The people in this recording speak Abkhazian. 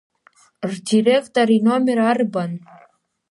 Рдиректор иномер арбан?